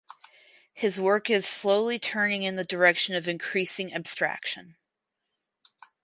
His work is slowly turning in the direction of increasing abstraction.